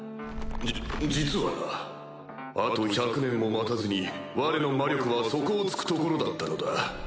じ実はなあと１００年も待たずにわれの魔力は底を突くところだったのだ。